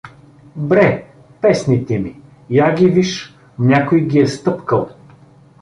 Бре, песните ми… я ги виж, някой ги е стъпкал!